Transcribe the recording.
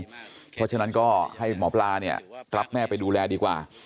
เพราะฉะนั้นก็ให้หมอปลาเนี่ยรับแม่ไปดูแลดีกว่า